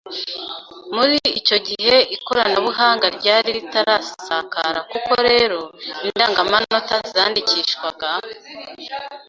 Muri icyo gihe ikoranabuhanga ryari ritarasakara kuko rero indangamanota zandikishwaga